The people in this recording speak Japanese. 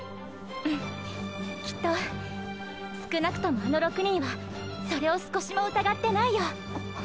うんきっと少なくともあの６人はそれを少しも疑ってないよ。